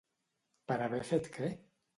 Per haver fet què?